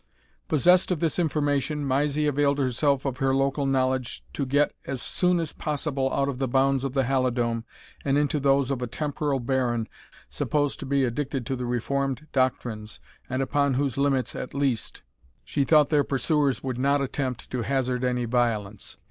Possessed of this information, Mysie availed herself of her local knowledge to get as soon as possible out of the bounds of the Halidome, and into those of a temporal baron, supposed to be addicted to the reformed doctrines, and upon whose limits, at least, she thought their pursuers would not attempt to hazard any violence.